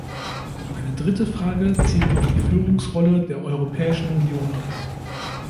Meine dritte Frage zielt auf die Führungsrolle der Europäischen Union ab.